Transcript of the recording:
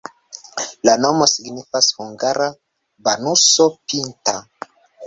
La nomo signifas hungara-banuso-pinta.